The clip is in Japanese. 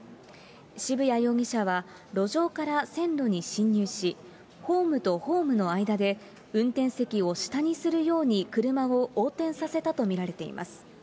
渋谷容疑者は、路上から線路に進入し、ホームとホームの間で運転席を下にするように車を横転させたと見られています。